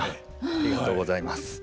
ありがとうございます。